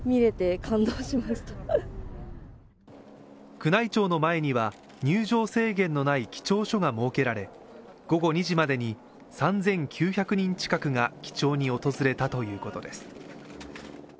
宮内庁の前には、入場制限のない記帳所が設けられ、午後２時までに３９００人近くが記帳に訪れたということです。